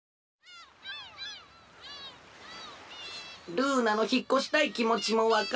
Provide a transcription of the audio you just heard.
ルーナのひっこしたいきもちもわかる。